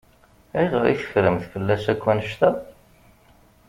Ayɣer i teffremt fell-as akk annect-a?